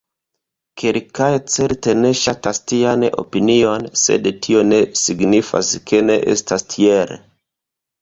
Kelkaj certe ne ŝatas tian opinion, sed tio ne signifas, ke ne estas tiel.